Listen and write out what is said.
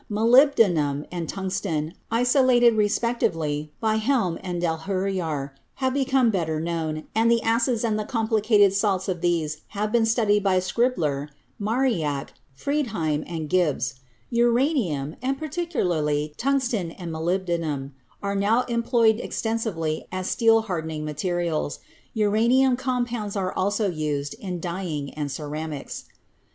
Molybdenum and tungsten, iso lated respectively by Hjelm and d'Elhujar, have become MODERN INORGANIC CHEMISTRY 257 better known, and the acids and the complicated salts of these have been studied by Scheibler, Marignac, Fried heim and Gibbs. Uranium, and, particularly, tungsten and molybdenum are now employed extensively as steel hardening materials. Uranium compounds are also used in dyeing and ceramics.